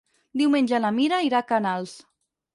Diumenge na Mira irà a Canals.